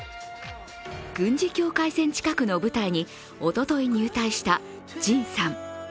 軍事境界線近くの部隊におととい入隊したＪＩＮさん。